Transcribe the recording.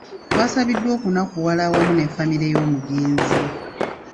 Twasabiddwa okunakuwalira awamu ne famire y'omugenzi.